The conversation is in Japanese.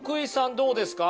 どうですか？